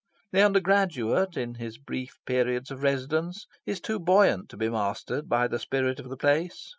The undergraduate, in his brief periods of residence, is too buoyant to be mastered by the spirit of the place.